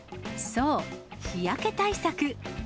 そう、日焼け対策。